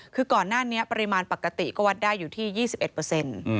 คือก่อนหน้านี้ปริมาณปกติก็วัดได้อยู่ที่๒๑เปอร์เซ็นต์